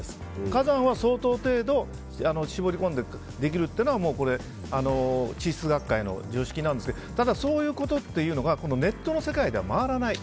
火山は相当程度絞り込んでできるというのが地質学会の常識なんですがそういうことというのがネットの世界では回らない。